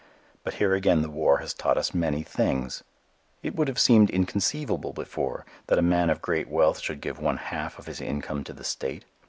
But here again the war has taught us many things. It would have seemed inconceivable before, that a man of great wealth should give one half of his income to the state.